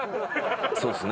そうっすね。